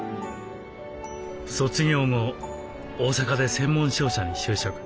卒業後大阪で専門商社に就職。